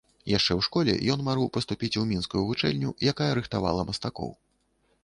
Яшчэ ў школе ён марыў паступіць у мінскую вучэльню, якая рыхтавала мастакоў.